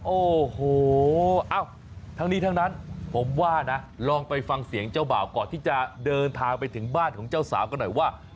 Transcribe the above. โอ้โหทั้งนี้ทั้งนั้นผมว่านะลองไปฟังเสียงเจ้าบ่าวก่อนที่จะเดินทางไปถึงบ้านของเจ้าสาวกันหน่อยว่า